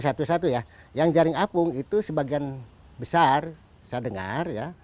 satu satu ya yang jaring apung itu sebagian besar saya dengar ya